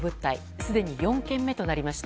すでに４件目となりました。